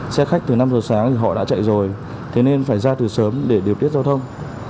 xe khách từ năm giờ sáng thì họ đã chạy rồi thế nên phải ra từ sớm để điều tiết giao thông